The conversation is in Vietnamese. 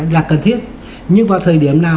là cần thiết nhưng vào thời điểm nào